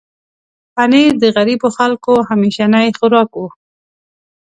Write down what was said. پنېر د غریبو خلکو همیشنی خوراک و.